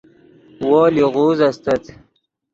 وو لیغوز استت